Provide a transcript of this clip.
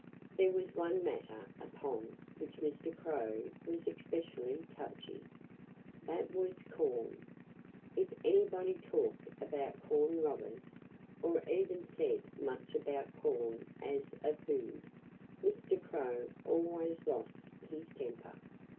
There was one matter upon which Mr. Crow was especially touchy. That was corn. If anybody talked about corn robbers, or even said much about corn as a food, Mr. Crow always lost his temper.